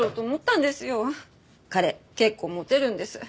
彼結構モテるんです。